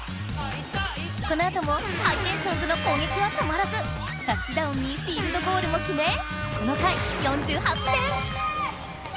このあともハイテンションズのこうげきは止まらずタッチダウンにフィールドゴールもきめこの回４８点！